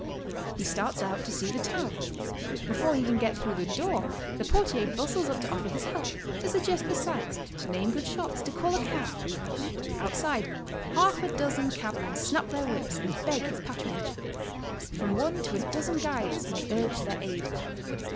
He starts out to see the town; before he can get through the door, the portier bustles up to offer his help, to suggest the sights, to name good shops, to call a cab. Outside, half a dozen cabmen snap their whips and beg his patronage; from one to a dozen guides may urge their aid.